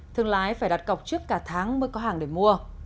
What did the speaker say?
thương lái phải đặt cọc trước cả tháng mới có hàng để mua